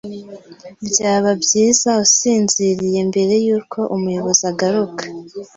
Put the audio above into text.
Byaba byiza usinziriye mbere yuko umuyobozi agaruka.